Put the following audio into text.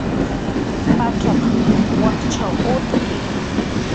Pacxaq wakchanhw utki